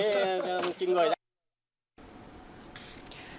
thôi bỏ hết đồ ở dưới trên người ra